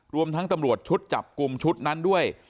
รวมทั้งตำรวจชุดจับกลุ่มชุดนั้นด้วย